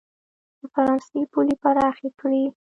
د فرانسې پولې پراخې کړي.